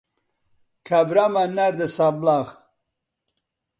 کابرامان ناردە سابڵاغ.